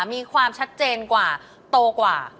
มีความชัดเจนกว่าโตกว่า